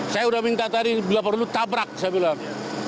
saya sudah minta tadi tidak perlu tabrak saya bilang